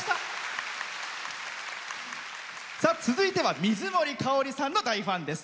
続いては水森かおりさんの大ファンです。